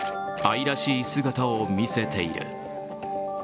愛らしい姿を見せている。